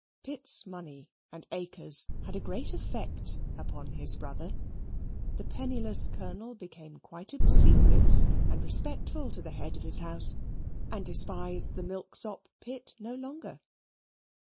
Pitt's money and acres had a great effect upon his brother. The penniless Colonel became quite obsequious and respectful to the head of his house, and despised the milksop Pitt no longer.